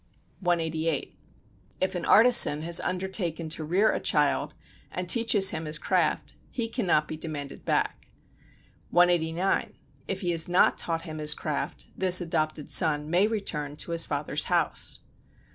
188. If an artisan has undertaken to rear a child and teaches him his craft, he cannot be demanded back. 189. If he has not taught him his craft, this adopted son may return to his father's house.